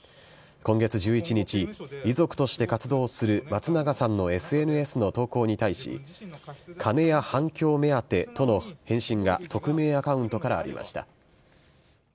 今月１１日、遺族として活動する松永さんのＳＮＳの投稿に対し、金や反響目当てとの返信が匿名アカウントからありました。